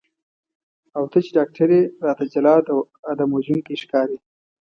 او ته چې ډاکټر یې راته جلاد او آدم وژونکی ښکارې.